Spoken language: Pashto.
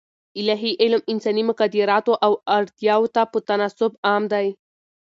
الاهي علم انساني مقدراتو او اړتیاوو ته په تناسب عام دی.